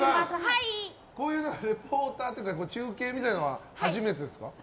こういうリポーターというか中継みたいなのは初めてですか？